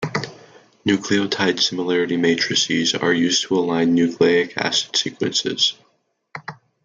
Nucleotide similarity matrices are used to align nucleic acid sequences.